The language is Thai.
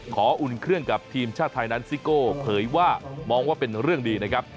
อุ่นเครื่องกับทีมชาติไทยนั้นซิโก้เผยว่ามองว่าเป็นเรื่องดีนะครับ